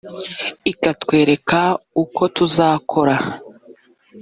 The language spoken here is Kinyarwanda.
ikatwereka uko tuzakora